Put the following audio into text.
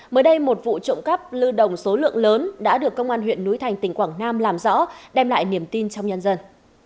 mới đây một vụ trộm cắp lưu đồng số lượng lớn đã được công an huyện núi thành tỉnh quảng nam làm rõ đem lại niềm tin trong nhân dân